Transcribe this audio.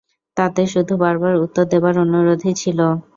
তাতে শুধু বারবার উত্তর দেবার অনুরোধই ছিল।